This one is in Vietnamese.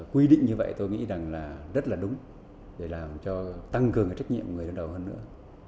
quy định như vậy tôi nghĩ rằng là rất là đúng để làm cho tăng cường cái trách nhiệm của người đứng đầu hơn nữa